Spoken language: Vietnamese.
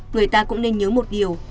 người ta cũng nên nhớ một điều